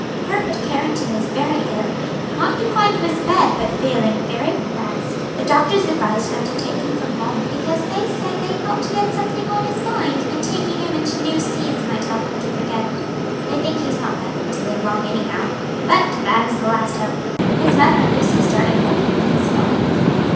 "Herbert Carrington is very ill; not confined to his bed, but failing very fast. The doctors advised them to take him from home; because they said they thought he had something on his mind, and taking him into new scenes might help him to forget it. They think he's not likely to live long anyhow, but that is the last hope. His mother and Lucy started North with him this morning."